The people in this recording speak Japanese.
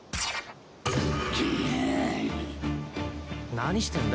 何してんだ？